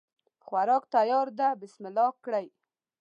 خوراک تیار ده بسم الله کړی